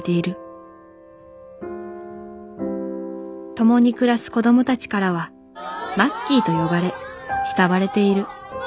共に暮らす子どもたちからはマッキーと呼ばれ慕われている。